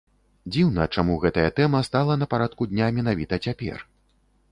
Дзіўна, чаму гэтая тэма стала на парадку дня менавіта цяпер.